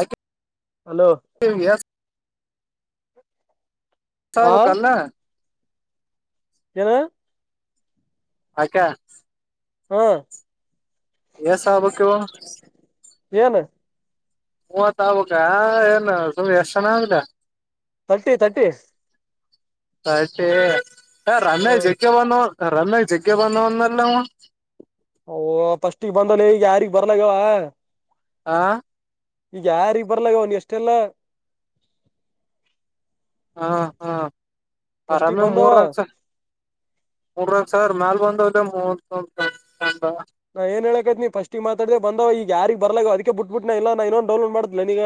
ಐತು hello ನಿಮಗೆ [unintelligible] ತೋಬೇಕಲ್ಲಾ [unintelligible] ನು [unintelligible] ಅಕ್ಕ ಹ್ಮ ಆಗ್ಬೇಕ ಇವ ಫೇಲ್ [unintelligible] ಮೂವತ್ ಆಗ್ಬೇಕ ಏನು ತುಮ್ ಎಷ್ಟ ಜನ ಆಗುದ ತರ್ಟಿ ತರ್ಟಿ ತರ್ಟಿ ರಮ ಹ್ಮ್ ಜೆಕ್ ಅವ್ವ ನೊ [unintelligible] ರಮಾಗ ಜಗ್ಗೆ ಬಂದವಂದಲ್ಲ ಓ ಫಸ್ಟಗ್ ಬಂದನ ಈಗ ಯಾರಿಗೆ ಬರ್ಲಾಗವ ಆ ಈಗ ಯಾರಿಗೆಗ್ ಬರ್ಲ ಇ ಅವನ್ ಎಷ್ಟೆಲ್ಲ ಹಾ ಹಾ ಫಸ್ಟಿಗೆ ಆರಾಮ್ಯ ಬಂದವ ಮೂರ ರ ಮೂರ ರ ಸ ಮೇಲ್ ಬಂದ ಮೋಸ ನಾ ಏ ಹೇಳಕೈತ್ ನೀ ಫಸ್ಟಗ್ ಮಾತಾಡೆ ಬಂದವ ಈಗ ಯಾರಾರಿಗ್ ಬರ್ಲವ ಅದಕ್ಕೆ ಬಿಟ್ಬ ಬಿಟ್ಟನ ಇಲ್ಲಾ ಇನ್ನ ಡೌನ್ಲೋಡ್ ಮಾಡಲ್ಲ ನೀಗ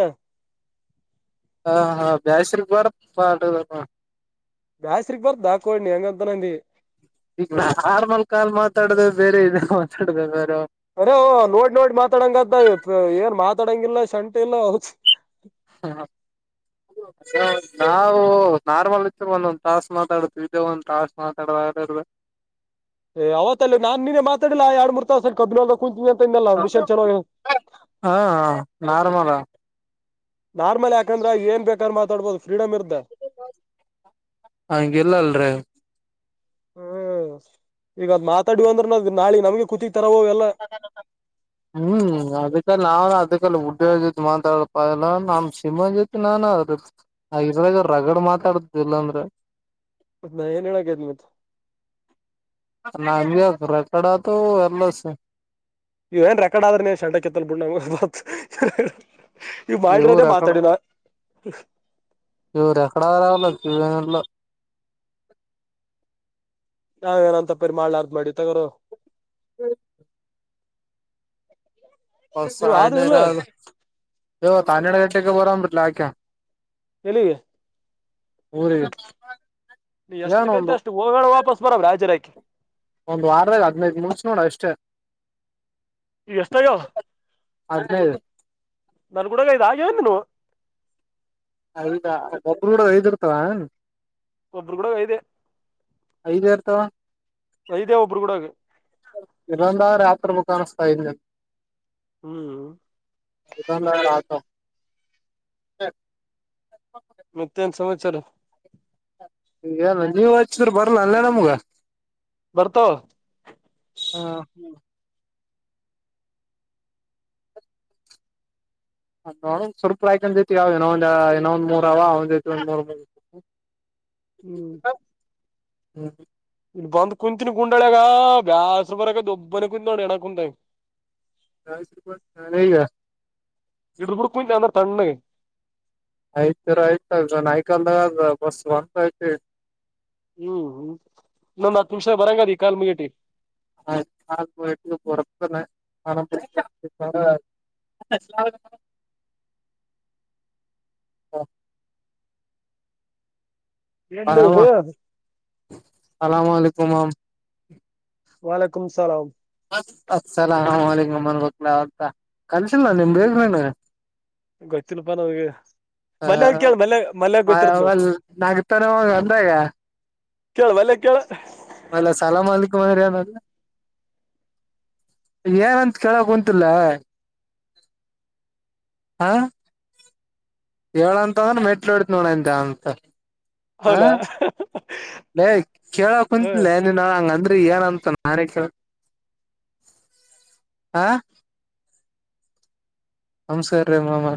ಹಾ ಹಾ ಬ್ಯಾಸರಿಪಡ ಪಾಡು ಬ್ಯಾಸ್ರಗ್ ಬರ್ ಹಾಕೋಳಣಿ ಹೆಂಗಂತ ನಿ ಈಗ ನಾರ್ಮಲ್ ಕಾಲ್ ಮಾತಾಡ್ದ ಬೇರೆ ಇದ ಮಾತಾಡ್ದ ಬೇರೆ ಅರೆೇ ನೋಡ್ ನೋಡ್ ಮಾತಾಡಂಗ್ದ ಏನ್ ಮಾತಾಡಂಗಿಲ್ಲ ಶಂಟ ಇಲ್ಲ ಹ ಹಾ ನಾವು ನಾರ್ಮಲ್ ಇತ್ ಒಂದೊಂದ್ ತಾಸ ಮಾತಾಡುದುವಿ ಇದೇ ಒಂದ್ ತಾಸಸ್ ಮಾತಾಡಾರ್ದ [unintelligible] ಏ್ ಅವತ್ತ ಅಲ್ಲ ನಾ ನೀಮಾತಾಡಲ್ಲ ಆ ಯಾಡ್ರ್ತ ಸರ್ ಕಬ್ಬ ಕು ಹಾ ಹ ನಾರ್ಮಲ ನಾರ್ಮಲ್ ಯಾಕಂದ್ರೆ ಏನ್ ಬೇಕ ಅಂತ ಮಾತಾಡ್ಬೋದು ಫ್ರೀಡಮ್ರ್ ಹಂಗಲ್ಲ ಅಲ್ಲರ ಹ್ಮ ಈಗ ಅದ್ ಮಾತಾಡಿ ಅಂದ್ರೆ ನ ನಾಳೆ ನಮ್ಗೆ ಕೂತಿ ಹ್ಮ್ ಅದಕ್ಕೆಲ್ಲ ನಾವ ಅದಕ್ಕೆಲ್ಲ ಜೊತೆ ಮಾತಾಡಪ ಎಲ್ಲ ನಮ್ಮ್ ಸಿಮ ಜೊತೆ ನಾನು್ರರಾಗ ರಗಡ್ ಮಾತಾಡ್ದ ಸಲಮ್ರ ನ ಏನಣ ಕತ ಮತ್ತ ನ ರೆಕಡಾತ ಎರ್ಲ್ಲಸ್ ಇವ ಏನ್ ರೆಕಡ್ ಆದ್ರ ನೀ ಶೆಂಟ ಕಿತ್ತಲ್ ಬುಣ್ಣ ಬ ಇವ ರೆಕಡ ಇವ ರೆಕಡ ರಾವಲ ಮ ನಾವೇಏನಂತಪ್ಪರಿ ಮಾಡ್ಾರ್ದ ಮಾಡಿ ತಗೋರು ಹ್ಮ ಹೊ ನೀವ್ ಆದು ಸಾಳ್ಣರ ಇಲ್ಲ ಇ ತಾನಡ ಗಟಕ್ಕೆ ಬರಲ ಆಕ ಎಲ್ಲಿಗೆ ಅವರ ನೀ ಎಷ್ಟು ಗಂಟ ಅಷ್ಟು ಹೋಗ ವಾಪಸ್ ಬರವ್ರೆ ಹಾಜರಾಕಿ ಒಂದ್ ವಾರದಾಗ ಹದ್ಿನೈದು ಮುಮಷ ನೋಡ ಅಷ್ಟೇ ಎಷ್ಟತಯೋ ಅದೇ ನನ್ ಕೂಡಾಗ ಇದ್ದ ನ್ ನೀ ಹದಾ ಒಬ್ಬರು ಕೂಡ ಐದಿರ್ತಾವ ಒಬ್ರು ಕೂಡ ಇದೆ ಐದ್ ಇರ್ತಾವ ಐದೇ ಒಬ್ರು ಕೂಡಗ ಇರೊಂದ್ರ ಯತ್ರ ಬ ಸ್ತ ಹ್ಮ್ ಆತ ಹ್ಮ ಮತ್ತನ್ ಸಮಾಚಾರ ಈಗಲ್ಲ ನೀವ್ ಹಚ್ಚಿದ್ರ ಬರ್ಲ್ಲ ಅಲ್ಲ ನಮ್ಗ ಬರ್ತೋ ಹಾ ಹ ನೋ ಸ್ವಲ್ಪ ರ್ಕೊಂಡ್ತಿ ಇನಂದ ಇನ ಒಂದ್ ಮೂರ್ ಅವೈ ಒಂದ್ರ್ ಮೂ ಹ್ಮ್ ಹ್ಮ್ ಇಲ್ಲಿ ಬಂದ್ ಕುಂತಿನಿ ಗುಂಡಾಳಗ ಬ್ಯಾಸ್ರ ಬರಗೊಬ್ಬನೇ ಕುತ್ ನೋಡಿ ಎಣ್ಣ ಕುಂತಾಗ ಈಗ ಹಿಡ ಹುಡ್ಕಂತ ಅಂದ್ರೆ ತಣ್ಣ ಆಯ್ತರ ಆಯ್ತ ಆಯ ನಾಯ್ಕಲ್ದ ಬಸ್ ಒಂತ ಆಯ್ತ ಹ್ಮ್ ಹ್ಮ್ ನನ್್ ಹತ್ ನಿಮಿಷ ಬರಂಗದಿ ಕಾ ಮುಗೇಟಿ ಹ ಆ ಪರತ ಹ ಎಲ್ಲಿದು ಹ ಅಲಾಮಲಿಕುಮ ಮಾಮ್ ವಾಾಲಕಮ ಸಲಾಮ ಅಲಾಕಮ ಅತ್ಲ ಅಂತ ಕಲ್ಸಿಲ್ಲ ನ ನಿಮ್ ಬೇ ನನು ಗೊತ್ತಿಿಲ್ಲಪಾ ನಮ್ಗೆ ಹಲ್ ನಗತಾನ ಅಂದಾಗ ಕೇಳುವ ಅಲ್ಲ ಕೇಳ ಅಲ್ಲ ಸಲಾಮಲ್ಕುಮ ಅ ಏನಂತ ಕೇಳಕ್ ಕುಂತಲ್ಲ ಹಾ ಹೇಳಏಂತ ಅಂದ್ರ ಮೆಟ್ಲು ಇಡತತ್ ನೋಡಂತ ಅಂತ ಹ ಹೌನಾ ೇ ಕೇಳ ಹ ಕುಂತಿಲ್ಲನ ನಳ ಹಂಗಂದ ರಿ ಏನಂತ ನನ್ೇ ಆ ಹಮ ಸರ್ ರೇ ಮಾಮಾ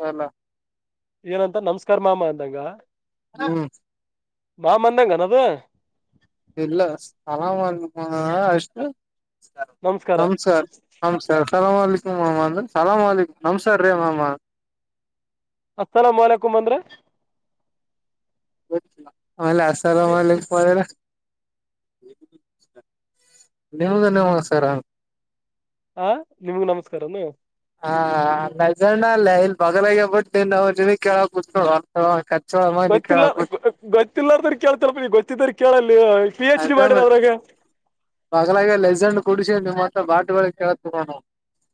ಹಲ್ಲ ಏನಂತ ನಮಸ್ಕಾರ ಮಾಮ ಅಂದಂಗ ಹ್ಮ ನ ಮಂದಂಗನದು ಇಲ್ಲ ಸ್ಲಾಮ ಅಷ್ಟು ನಮಸ್ಕಾರ ನಮ್ ಸರ್ ನಮ್ ಸರ್ ಸಲಾಮಾಲಕು ಮಾಾಮಾ ಸಲಾಮಕು್ ನಮಸ್ಾರ ರೀ ಮಾಾಮಾ ಅಸಲಂ ವಲ್ಕುಮ ಅಂದ್ರೆ ಅ ಅಸಲಾಮಲಿ ನೀವುದನ್ನವಾ ಸರಾ ಹ ನಿಮಗ ನಮಸ್ಕಾರನು ಹಾ ನಜಣ್ಣ ಅಲ್ಲೇ ಇಲ್ ಬಗಲಾಗ ಬಿಟ್ಟತನ್ ನ ಕೇಳ ಕುೂತ್ೋ ಗೊತ್ತಿಲ್ಲ ಗೊತ್ತಿಲ್ಲಾರದರು ಕೇಳ್ತಾರಪ್ಪ ನೀ ಗೊತ್ತಿದ್ರ ಕೇಳಲ್ಲಿ ಪಿ ಎಚ್ ಡಿ ಅದ ಮಾಡಿರ ಮ ಅದ್ರಾಗ ಬಲಾಗ ಲೆಸಂಡ್ ಕೂಡ ನಿಮ್ಮ್ತ್ರ ಬಾಟ್ುಗಳ ಕೇೇಳ ನೋಣ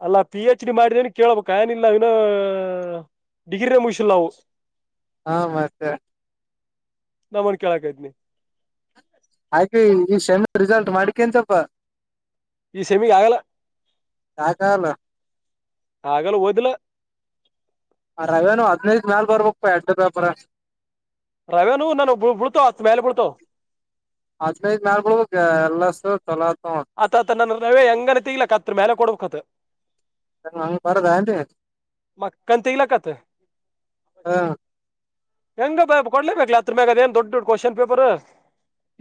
ಅಲ್ಲಾ ಪಿ ಹೆಚ್ ಡಿ ಮಾಡಿದೇನೆ ಕೇಳ್ಬೇಕ ಏನಿಲ್ಲ ಇನು ಡಿಗ್ರಿ ರೆಮೋಷನ್ ಲವು ಹಾ ಮತ್ತ ನಮ್ಮನ್ ಕೇಳಕ್ತ್ನಿ ಹಾಗೆ ಈ ಸೆಮನೆ ರಿಸಲ್ಟ್ ಮಾಡ್ಿಕನ್ಸಲ್ಪ ಈ ಸೆಮಿಗೆ ಆಗಲ್ಲ ಯಾಕಲ್ಲ ಹಾಗಗಲ್ಲ ವದಲ ರವೆೇನು ಹದ್ಿನೈದ ನಾಲ ಬರ್ಬೇಕಕ್ ಪ ಎಡ್ಡು ಪ್ಯಾಪರ ರವೆನು ನಾನು ಬಿಳ್ತಾವ ಆತ್ ಮೇಲೆ ಬಳ್ತಾವ ಅದ್್ಮೇ ನಬಳ್ ಎಲ್ಲಸ ಚಲ ಆತತ ನನ್ನ ನವೇ ಹೆಂಗನನೆ ತಿಗ್ಲಾಕತ್ ಮೇಲೆ ಕೊಡ್ಬೇಕತ್ ಹಂಗ ಬಾರದ ಅಂತ ಮ ಕಂತಂತಗ್ಲಕ್ಕತ್ತ ಹ ಹೆಂಗ ಬ ಕೊಡ್ಲೇಬೇಕಲ ಅತ್ರ ಮ್ಯಾಗ ಅದ ಏನ್ ದೊಡ್ ದೊಡ್ ಕ್ವಶನ್ ಪೇಪರ್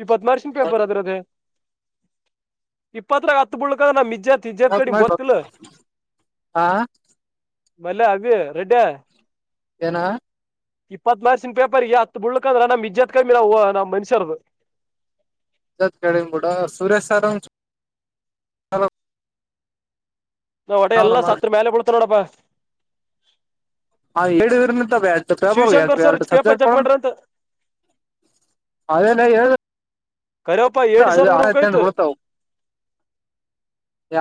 ಇಪ್ಪತ್ ಮಷನ್ ಪೇಪರ್ ಅದಿರದದೆ ಇಪ್ಪತ್ತರ ಹತ್ತು ಬಿಳ್ಕ ನ್ ಜ ತಜ ಕಡಿ ಮಾಡ ಬತ್ತತಲ್ಲ ಹಾ ಮಲ್ಲ ಅಭಿ ರೆಡ್ಡ ಏನ ಇಪ್ಪತ್ ಮನಸಿನ ಪೇಪರ್ಗೆ ಹತ್ ಬಳ್ಕ ಅಂದ್ರ ನಮ್ಮ್ ಇಜ್ಜತ್ ಕಮಿ ನಾವು ನಮ್ಮ್ ಮನ್ಷ್ಯರ್ದು ಕಡ ಬಿಡ ಸುರೇಶ್ ಸರ್ ನಾಡೆ ಎಲ್ಲ ಸತ್ ಮೇಲೆ ಬ ಬಿಳ್ತ ನೋಡಪ್ಪ [unintelligible] ಶಿವಶಂಕರ್ ಸರ್ ಪೇಪರ್ ಚೆಕ್ ಮಾಡ್ರಿ ಅಂತ ಅದೇನ ಹೇಳ ಕರಿಯಪ್ಪ ಏಡ್ ಸಾವಿರ ಆ ಜಂ ಇರ್ಬೇಕಾಯ್ತು ಬರ್ತಾವ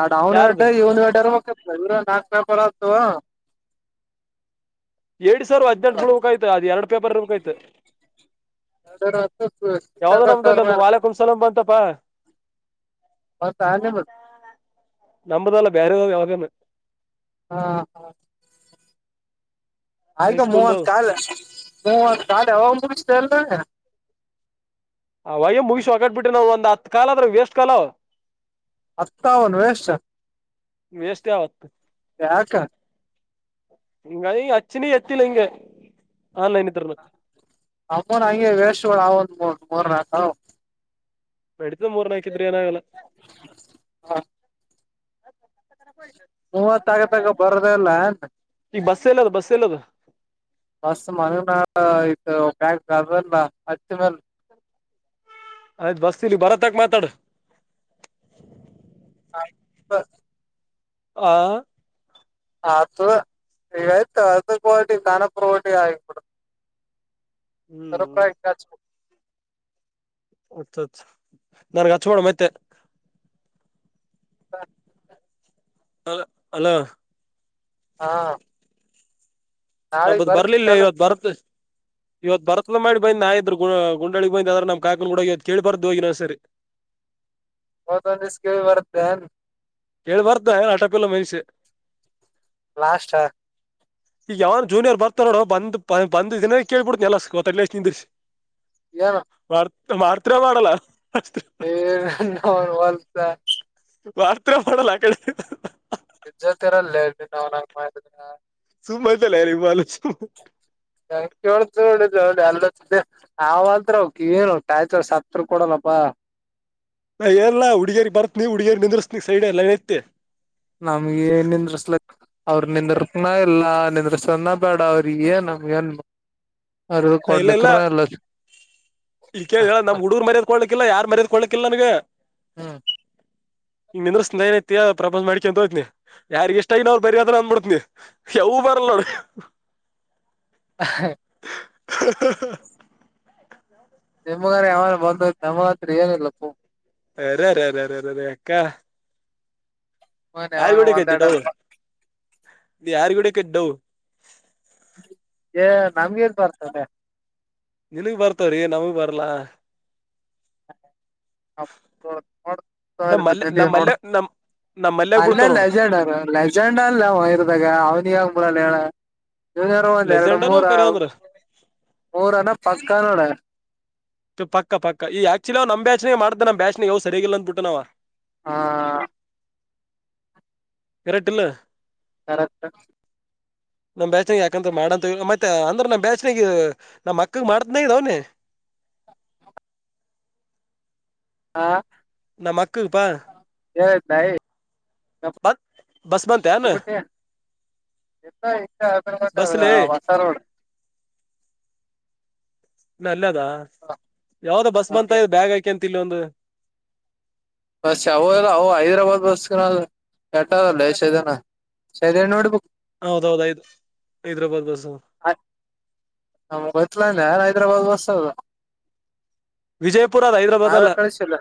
ಎಡು ಅವನ್ ವಟ ಯಾರ್ದು ಇ ಒಂದ ವಡವ ನಾಪ ಹ ಎಏಡ್ ಸಾವಿರ ಹದ್ಟು ಬಿಳ ಬುಕಾಯ್ತ ಅದ್ ಎರಡು ಪೇಪರ್ ಬೇಕಾಯ್ತು ಯಾವ್ದೋ ನಮ್ದಲ್ಲಿ ಒಂದು ವಾಳೆ ಕುಂಸಲ ಬಂತಪಾ ನಂಬದಾಲ್ಲ ಬರೆ ಯ ಯಾಗಮ್ಮ ಹಾ ಹಾ ಆಯ್ಗ ಮೂವತ್ ಹೈಸ್ಕೂಲ್ದವ್ ಕಾಲ ಮೂವತ್ ಕಾಲ ಅವ ಚಲ ಅಯ್ಯೋ ಮುಗಿಸಿ ಹೊಗಾಟ್ ಬಿಟ್ರೆ ನಾವವು ಒಂದ್ ಹತ್ ಕಾಾಲ ಅದ್ರ ವೇಸ್ಟ್ ಕಾಲ ಅತ್ತ ಒನ್ ವಷ ವೇಸ್ಟ್ ಯಾಕ ಇಂಗ ಅಚ್ಚನ ಎತ್ತಿಲ್ಲಂಗ ಅಮ್ಮನ ಹಂಗೆ ವೇಸ್ ಅವಂದ ಮೂ ಮೂರ್ನಾಕ ನಡಿತ ಮೂರ್ನ ಹಕಿದ್ರೆ ಏನಾಗಲ್ಲ ಹಾ ಹ ಮೂವತ್ತ ಆಗ ತಗ ಬರದಲ್ಲನ್ ಈಗ ಬಸ್ ಎಲ್ಲದ ಬಸ್ ಎಲ್ಲದ ಬಸ್ ಮಾನು ನ [unintelligible] ಹಚ್ಚ ಮಲ್ ಆಯ್ತ್ ಬಸ್ತಲಿ ಬರತ್ತಕ್ ಮಾತಾಡ ಹ ಹ ಅಥ ಈಗ ಆಯ್ತು ಅದು ಕ್ವಾಲಟಿ ನಪಟಿ ಆಗಬಡ ಸರ ಹ್ಮ್ ಕಾಯ ಕಾಜ ಅಛ ಅಚ್ಚ ನನ್ಗ ಚೋಡ ಮತ್ತೆ ಹಾ ಅ ಅಲ ಹಾ ನಾಳಿಗ್ ನಂಬದು ಬರ್ಲಿಲ್ಲ ಬರ್ತಿರ್ಕಲ್ಲ ಇವತ್ತು ಬರತ್ ಇವತ್ತು ಬರತ ಮಾಡಿ ಬಂದ್ ನಾ ಇದ್ರು ಗು ಗುಂಡಳಿ ಬಂದ್ ಅ್ರ ನಮ್ಮ ಕಕ ಕೂಡ ಇವತ್ತು ಕೇಳಿ ಬಾರ್ದು ಹೋಗಿ ನ್ ಸರಿ [unintelligible] ಕೇಳ್ಬಾರ್ದ ಏನ್ ಹಟಾಪಿಲ್ಲ ಮೆನ್ಷೆ ಲಾಸ್ಟ್ ಈಗ ಯಾವನ ಜೂನಿಯರ್ ಬರ್ತ ನೋಡ ಬಂದ ಬಂದಿನ ಕೇಳ್ಬಿಡ್ತ ಎಲ್ಲ ಗೊ ಲಸ್ ನಿಂದಿ ಏನ್ ಮಾಡ ಮಾಡ್ತರಾ ಮಾಡಲ್ಲ ಏ ನ ಹೊಲ್ಸ ಆರ್ತ್ರ ಮಾಡಲ್ಲ ಆ ಕಡೆ ಜೊತೆರಲ್ಲನ್ ಆ ಮಾಡಿದ ಶು ಮಾಡತಲ್ಲರಿ ಮಾಡಲು ಕ ಅ ಅವತ್ರ ಅವ ಏನು ತಾಯ್ತ ಸತ್ ಕೊಡನಪ್ಪ ನಾ ಏಲ್ಲ ಹುಡುಗೇರಿ ಬರತ್ ನೀವ ಹುಡುಗೇರಿ ನಿಂದ್ರಿಸಸ್ನ ಸೈಡ್ ಲೈನ್ ಐತೆ ನಮ್ಗೆ ನ್ನಂದ್ರಸ್ಲ ಅವ್ರರು ನಿಂದ್ರಕನ ಇಲ್ಲ ನಿಂದ್ರಸನ ಬೇಡ ಅವ್ರ ಏನ್ ನಮ್ಗೆ ಏನ್ ಅದು ನಾ ಇಲ್ಲೆಲ್ಲ ಕೊಡ್ಲಿಕ್ರ್ಯಾ ಲಾಸ್. ಇಲ್ಲಿ ಕೇಳ ಹೇಳದು ನಮ್ ಹುಡುರ್ ಮರ್ಯದ್ ಕೊಡ್ಲಕ್ಕಿಲ್ಲ ಯಾರ್ ಮರ್ಯದ್ಕಡ್ಳ್ಕ್ಕಿಲ್ಲ ನನಗ. ಹ. ಇಂಗ್ ನಿಂದ್ರ ಸ್ತಿನಿ ಐತಿ ಪ್ರಪೋಸ್ ಮಾಡಕೊಂತೋಯ್ತನಿ ಯಾರಿಗ ಇಷ್ಟ ಇಲ್ಲ ಅವ್ರು ಬರಿಯಾದ್ರ ಅಂದ್ಬಡ್ತನಿ ಯವು ಬರ. ಎಲ್ಲ ರ. ಹ. ಹೂ ಹೂ. ನಿಮ್ಮಗನ ಯಾವನ ಬಂದ್ಐತಿ ನಮ್ಮರತ್ರಿ ಏನಿಲ್ಲ ಪೋ. ಯಾರಾರಾರಾರಾರಾರ ಅಕ್ಕಾ. ಮನ್ ಯಾರಗಿ ಯಾವನ ಹೊಡಕೈತಿ ಒಂದೆರಡ ಡವ ಯಾರ್ಗಿ ಹೊಡಕಿತಿ ಡವು. ಏ ನಮ್ಗೆರ್ ಬರ್ತಾರೆ. ನಿನ್ಗ ಬರ್ತವ್ರೀ ನಮಗ್ ಬರ್ಲ. ಹ ಮಲ್ಯ ನೋಡ್ತಿನಿ ನಮ್ ತಗಾರಿ. ಮಲ್ಯ ನಮ್ ನಮ್ ಮಲ್ಯಾಗ್ ಅಲ್ಲೆ ಬೀಳ್ತಾವ್ ನೋಡು ಲೆಜೆಂಡರು ಲೆಜೆಂಡ್ಲ್ಲ ಇರ್ದಾಗ ಅವ್ನಿಗಂಗಬಳಲ್ಲ ಹೇಳ. ಇವನ್ ಗ್ಯಾರ ಒಂದ ಎರಡು ಲೆಜೆಂಡನೋ ಮೂರ ಕರೆ ಅಂದ್ರ ಮೂರನಾ ಪಸ್ಕ ನೋಡ. ಪಕ್ಕ ಪಕ್ಕ ಈ ಆಕ್ಚುಲಿ ಅವ್ ನಮ್ ಬ್ಯಾಚನಾಗ ಮಾಡ್ತನ ಬ್ಯಾಚ್ ಯಾವ ಸರಿಗಿಲ್ಲ ಅಂದ್ಬಿಟ್ನವ. ಹಾ. ಕರಟ್ ಇಲ್ಲ. ಕರೆಕ್ಟ. ನಮ್ ಬೇಚ್ನಾಗ ಯಾಕಂದ್ರ ಮಾಡಂತ ಮತ್ತೆ ಅಂದ್ರ ನಮ್ಮ ಬೇಚ್ನಗ ನಮ್ಮ ಮಕ್ಕಗ್ ಮಾಡ್ದನ ಇದ ಅವನಿ. ಹಾ. ನಮ್ ಅಕ್ಕಗೆಪ್ಪಾ. ಯ ಭಾಯಪ್ಪ [inaudible] ಬಸ್ ಬಂತಯಾನ. ಎತ್ತ ಇತ್ತ ಅರ ಹೊಸಾರೋಡ. ಇನ್ನ ಅಲ್ಲ ಅದ ಯಾವ್ದೋ ಬಸ್ ಬಂತ ಆಗ್ಯದ ಬ್ಯಾಗ್ ಆಯಕಂತ ಇಲ್ಲಿ ಒಂದು. ಬಸ್ ಅವು ಇಲ್ಲ ಅ ಹೈದ್ರಾಬಾದ್ ಬಸ್ ಕೆಟ್ಟದಲ್ಲಷ ಇದದನ. ಸರಿ ನೋಡ್ಬೇಕು. ಹೌದೌದಯ್ ಹೈದ್ರಾಬಾದ್ ಬಸ್. ನಮ ಗೊತ್ತಿಲ್ಲ ಅಂದ ಹೈದ್ರಾಬಾದ್ ಬಸ್ ಅದು. ವಿಜಯಪುರ ಅದ ಹೈದ್ರಾಬಾದ್ ನಾವೇ ಅಲ್ಲ ಕಳಿಸಿಲ್ಲ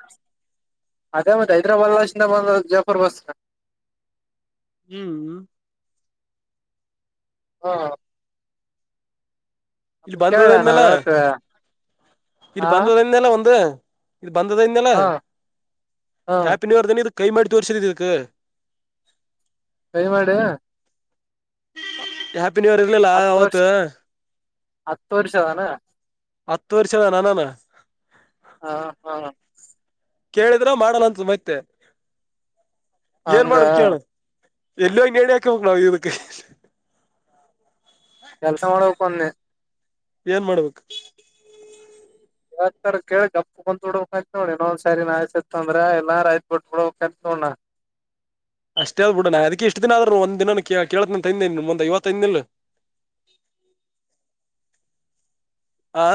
ಅದೇ ಮತ್ತೆ ಹೈದರಾಬಾದ್. ಬ ಜಫರ್ ಬಸ್. ಹ್ಮ್. ಹಾ. ಇಲ್ಲಿ ಬಂದದಿಂದೆಲ್ಲ ನಾವ್ ಹೇಳ್ತೇವೆ ಇಲ್ಲಿ ಹ ಬಂದದಂದೆಲ್ಲ ಒಂದು. ಇದು ಬಂದದನೆಲ್ಲ ಹ ಹ ಹ್ಯಾಪಿ ನ್ಯೂ ಇಯರ್ ಇದು. ಕೈ ಮಾಡಿ ತೋರ್ಸಿದೆ ಇದಕ್ಕ. ಕೈ ಮಾಡ್ಯಾ. ಹ್ಯಾಪಿ ನ್ಯೂ ಇಯರ್ ಇರ್ಲಿಲ್ಲ ಹತ್ತು ವರ್ಷ ಅವತ್. ಹತ್ತು ವರ್ಷ ಅದೇನು. ಹತ್ತು ವರ್ಷದ ನ ನಾನ. ಹಾ ಹಾ. ಕೇಳಿದ್ರ ಮಾಡಲಂತ ಮತ್ತೆ ಏನ್ ಹಂಗ ಮಾಡಬೇಕು ಹೇಳು. ಎಲ್ಲೋ ಹೋಗಿ ನೇಣು ಹೋಕ್ಣಾವ ಇದಕ್ಕ. ಕೆಲಸ ಮಾಡಳ ಕೊನ್ನೆ. ಏನ್ ಮಾಡ್ಬೇಕು. ಯಾ ಸ ಕೇಳಿ ಗಪ್ಪು ಬಂದಡಕಂತ ನೋಡಿ ಇನ್ನೊಂದ ಸರಿ ನ ಆ್ಸತಿತ್ ಅಂದ್ರ ಎಲ್ಲಾರಯ್ತ್ ಬಿಟ್ಟುಡಂತ ನೋ. ಹುಣ. ಅಷ್ಟೇ ಹೇಳ್ಬಿಡ ನಾ ಅದಿಕ್ಕೆ ಇಷ್ಟ ದಿನ ಆದ್ರು ಒಂದ ದಿನ ಕೇಳ್ತಿನಿ ಅಂತ ಅಂದಿನಿ ಎನ್ ನಿಮ್ ಮುಂದ ಇವತ್ತು ಅಂದಿನಿ ಇಲ್ಲ. [unintelligible] ಆ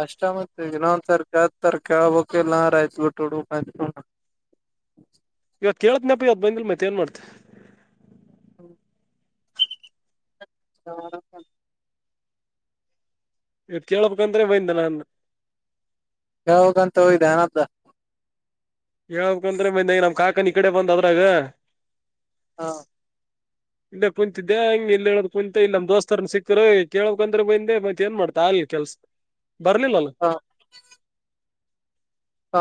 ಅಷ್ಟ ಮತ್ನದ್ ತಾರೀಕು ಹದ ತಾರಕು ಆಗ್ಬಬೇಕಕ್ ಇಲ್ಲ ನಾರ ಆ ಬಿಟ್ಟು ಹುಡು [unintelligible] ಕೇಳ್ತಿನ ಅಪ್ಪಿ ಅದ್ ಬಂದಿಲ್ ಮತ್ತ ಏನ್ ಮಾಡ್ತ [unintelligible] ಊಟ [unintelligible] ಇವತ್ತು ಕೇಳಳ್ಬೇಕಂದ್ರೆ ಒಯಂದ ನಾನ ಹ ಹೋಗಂತ ಹೋಗ್ದ ಅನ್ದ ಹೇಳ್ ಬೇಕಂದ್ರೆ ಮ ಈ ನಮ್ ಕಾಕನ್ ಈ ಕಡೆ ಬಂದ್ ಅದ್ರಾಗ ಹಾ ಇಲ್ಲೇ ಕುಂತಿದ್ದೆ ಹಂಗ ಇಲ್ಲ ಹೇಳಕ್ ಕುಂತತ್ ಇಲ್ಲಮ ದೋಸ್ತರನ್ ಸಿಕ್ಕರು ಕೇಳಕ್ಂದ್ರ ಬಂದೆ ಮತ್ತತ್ ಏನ್ ಮಾಡ್ತಾರ ಅ ಕೆಲ್ಸ ಬರ್ಲಿಲ್ಲಲ್ಲ ಹಾ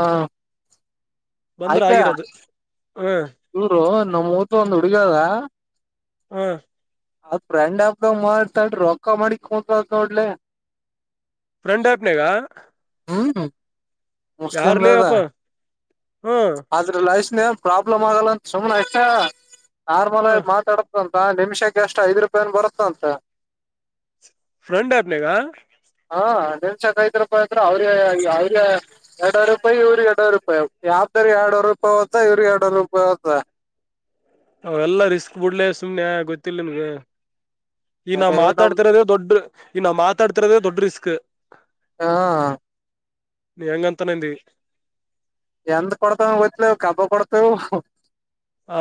ಬಂದ್ರ ಆಯ್ಕ ಆಗಿರೋದು ಹ್ಮ್ ಇವರು ನಮ್ಮ್ ಊತ ಒಂದ್ ಹುಡುಗಿ ಅದ ಹ್ಮ ಅಫ್ರೆಂಡ್ ಹಬ್ದ ಮ್ತಲ್ ರೊಕ್ಕ ಮಾಡಿ ಕತ್ ನೋಡ್ಲೆ ಫ್ರೆಂಡ್ ಐಪ್ನಗ ಹ್ಮ್ ಮುಸ್ಲಿಮ ದಾದಾ ಅಪ್ಪ ಹ್ಮ್ ಆದ್ರ ಲೈಸ್ನ್ಏನ್ ಪ್ರಾಬ್ಲಮ್ ಆಗಲ್ಲ ಅಂತ ಸುಮ್ನೆ ಎಷ್ಟ ನಾರ್ಮಲ್ ಆಗಿ ಹ್ಮ್ ಮಾತಾಡತಂತ ಹ ನಿಮಿಷಕ್ಕೆ ಅಷ್ಟ ಐದ್ ರೂಪಾಯನ್ ಬರುತ್ತ ಅಂತ ಫ್ರೆಂಡ ಆಪ್ನಗ ಹಾ ನಿಮಷಕ್ಐ್ರಪ್ಪ ಅಂದ್ರ ಅವ್ರ ಅವ್ರಿಗೆ ಎರಡವರು ರೂಪಾಯಿ ಇವ್ರಿಗೆ ಎರಡರು ರೂಪಾಯಿ ಯಾ ಇದ್ರ ಎರಡು ರೂಪಾಯಿತ ಇ್ರರು ಎರಡು ರೂಾಯಿ್ ಅವ ಎಲ್ಲಾ ರಿಸ್ಕ್ ಬಿಡ್ಲೆ ಸುಮ್ಮನೆ ಗೊತ್ತಿಲ್ಲ ನನ್ಗೆ ಈ ನಾವೂ ಹೋತ ನಮ್ ಮಾತಾಡ್ತಿರೋದೇ ದೊಡ್ ಈ ನಾ ಮಾತಾಡ್ತಿರೋದೇ ದೊಡ್ಡ ರಿಸ್ಕ್ ಹಾ ನೀ ಹೆಂಗಂತನಂದ ಎಂತ ಕೊಡ್ತಾವ ಗೊತ್ತಲ ಕಬ್ಬ ಪಡ್ತವೆ ಆ